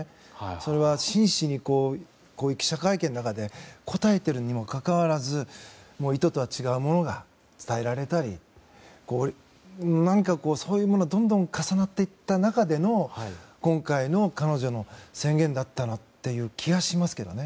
それは、真摯にこういう記者会見の中で答えてるにもかかわらず意図とは違うものが伝えられたりそういうものがどんどん重なっていった中での今回の彼女の宣言だったという気がしますけどね。